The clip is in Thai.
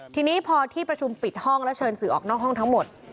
ทีนี้พอที่ประชุมปิดห้องแล้วเชิญสื่อออกนอกห้องทั้งหมด